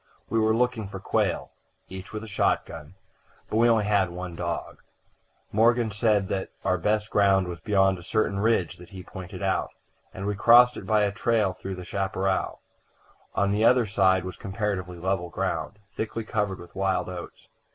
We were looking for quail, each with a shotgun, but we had only one dog. Morgan said that our best ground was beyond a certain ridge that he pointed out, and we crossed it by a trail through the chaparral. On the other side was comparatively level ground, thickly covered with wild oats.